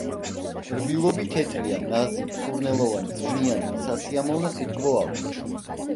რბილობი თეთრია, ნაზი, სურნელოვანი, წვნიანი, სასიამოვნო სიტკბო აქვს.